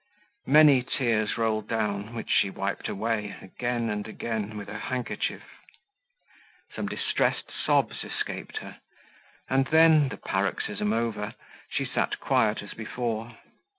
Many tears rolled down, which she wiped away, again and again, with her handkerchief; some distressed sobs escaped her, and then, the paroxysm over, she sat quiet as before.